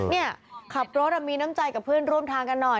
เนี่ยขับรถมีน้ำใจกับเพื่อนร่วมทางกันหน่อย